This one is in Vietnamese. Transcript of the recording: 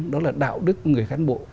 đó là đạo đức người cán bộ